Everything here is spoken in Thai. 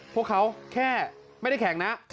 พวกเขาแค่ไม่ได้แข่งนะ